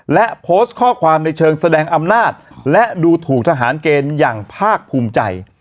และโพสต์ข้อความในเชิงแสดงอำนาจและดูถูกทหารเกณฑ์อย่างภาคภูมิใจ